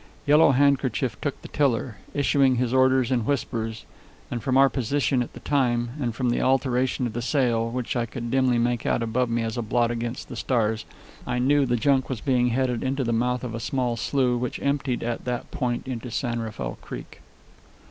Yellow Handkerchief took the tiller, issuing his orders in whispers; and from our position at the time, and from the alteration of the sail, which I could dimly make out above me as a blot against the stars, I knew the junk was being headed into the mouth of a small slough which emptied at that point into San Rafael Creek.